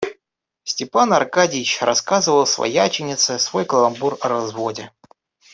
Степан Аркадьич рассказывал свояченице свой каламбур о разводе.